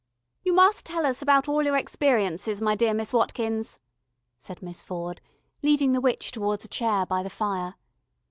"You must tell us about all your experiences, my dear Miss Watkins," said Miss Ford, leading the witch towards a chair by the fire.